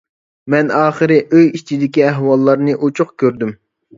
مەن ئاخىرى ئۆي ئىچىدىكى ئەھۋاللارنى ئۇچۇق كۆردۈم.